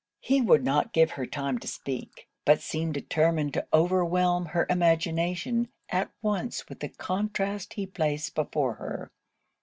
He would not give her time to speak; but seemed determined to overwhelm her imagination at once with the contrast he placed before her.